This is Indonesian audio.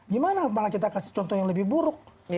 gimana malah kita kasih contoh yang lebih buruk